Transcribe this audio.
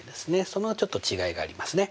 そのちょっと違いがありますね。